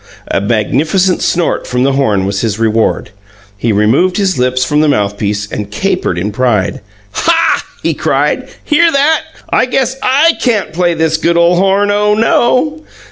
A magnificent snort from the horn was his reward. He removed his lips from the mouthpiece, and capered in pride. "Hah!" he cried. "Hear that? I guess I can't play this good ole horn! Oh, no!"